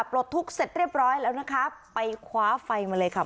ปลดทุกข์เสร็จเรียบร้อยแล้วนะคะไปคว้าไฟมาเลยค่ะ